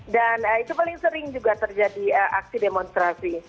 dan itu paling sering juga terjadi aksi demonstrasi